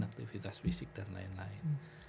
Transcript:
aktivitas fisik dan lain lain